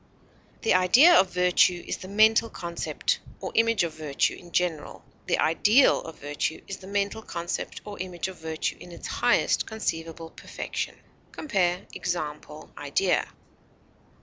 The idea of virtue is the mental concept or image of virtue in general; the ideal of virtue is the mental concept or image of virtue in its highest conceivable perfection. Compare EXAMPLE; IDEA.